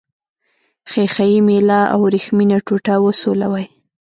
ښيښه یي میله او وریښمینه ټوټه وسولوئ.